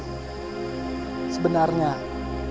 aku mau ke kanjeng itu